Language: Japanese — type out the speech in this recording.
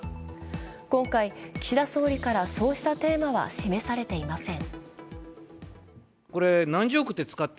今回、岸田総理からそうしたテーマは示されていません。